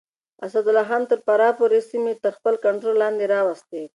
اسدالله خان تر فراه پورې سيمې تر خپل کنټرول لاندې راوستې.